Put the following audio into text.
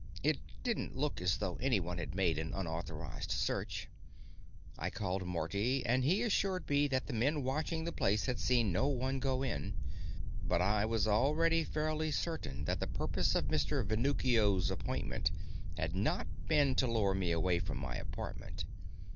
It didn't look as though anyone had made an unauthorized search. I called Marty, and he assured me that the men watching the place had seen no one go in. But I was already fairly certain that the purpose of Mr. Venuccio's appointment had not been to lure me away from my apartment.